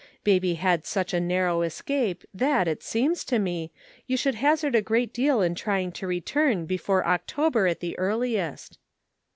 Baby had such a narrow escape that, it seems to me, you would hazard a great deal in trying to return before October at the earliest."